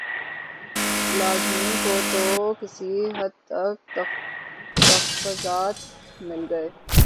لازمین کو تو کسی حد تک تخفظات مل گئے